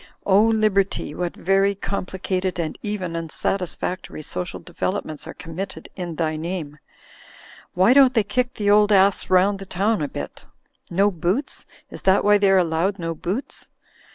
O Liberty, what very complicated and even unsatisfactory social developments are committed in thy name! Why don't they kick the old ass round the town a bit? No boots? Is that why they're allowed no boots ?